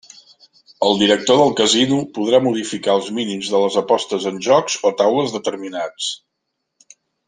El director del casino podrà modificar els mínims de les apostes en jocs o taules determinats.